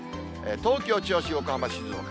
東京、銚子、横浜、静岡。